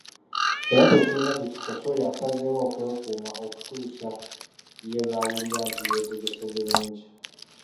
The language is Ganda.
Era tekirina kye kikosa oyo asazeewo okwekuuma okutuusa ye lw'awulira nti yeetegese bulungi.